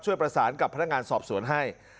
ประสานกับพนักงานสอบสวนให้